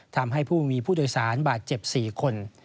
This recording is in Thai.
ทำให้ผู้มีผู้โดยสารบาดเจ็บ๔คน